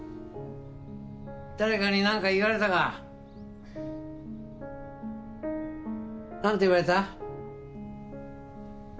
誰かになんか言われたか？なんて言われた？